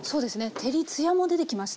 照り艶も出てきました。